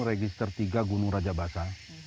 register tiga gunung rajabasa